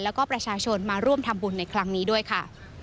แล้วก็ประชาชนมาร่วมทำบุญในครั้งนี้ด้วยค่ะ